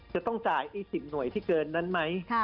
จะต้องจ่าย๑๐หน่วยที่เกินนั้นไหม